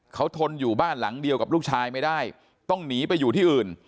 เขาทนอยู่บ้านหลังเดียวกับลูกชายไม่ได้ต้องหนีไปอยู่ที่อื่น